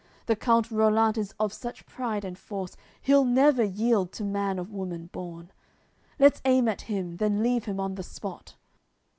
The count Rollant is of such pride and force He'll never yield to man of woman born; Let's aim at him, then leave him on the spot!"